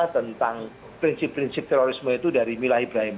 tentang prinsip prinsip terorisme itu dari milah ibrahim